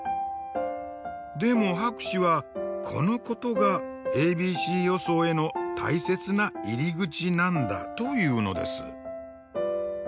でも博士はこのことがａｂｃ予想への大切な入り口なんだというのです。